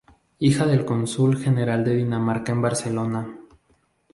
Hija del cónsul general de Dinamarca en Barcelona.